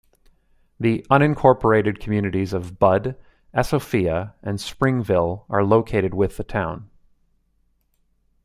The unincorporated communities of Bud, Esofea, and Springville are located with the town.